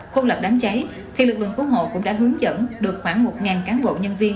không lập đám cháy thì lực lượng cứu hộ cũng đã hướng dẫn được khoảng một cán bộ nhân viên